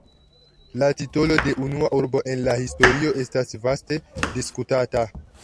La titolo de "unua urbo en la historio" estas vaste diskutata.